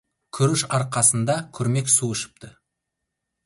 Күріш арқасында күрмек су ішіпті.